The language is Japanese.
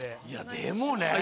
でもね！